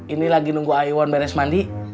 ini lagi nunggu iwan beres mandi